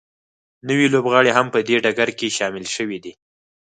نوي لوبغاړي هم په دې ډګر کې شامل شوي دي